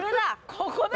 ここだ！